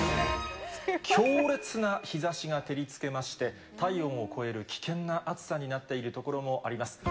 強烈な日ざしが照りつけまして、体温を超える危険な暑さになっている所もあります。